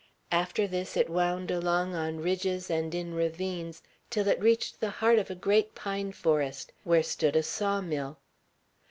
After this it wound along on ridges and in ravines till it reached the heart of a great pine forest, where stood a saw mill.